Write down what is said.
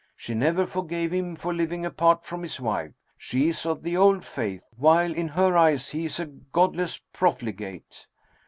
She never forgave him for living apart from his wife. She is of the Old Faith, while in her eyes he is a godless profligate.